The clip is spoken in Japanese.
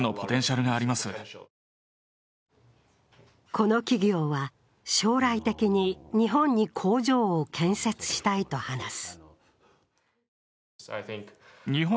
この企業は将来的に日本に工場を建設したいと話す。